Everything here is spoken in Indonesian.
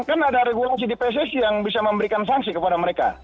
kan ada regulasi di pssi yang bisa memberikan sanksi kepada mereka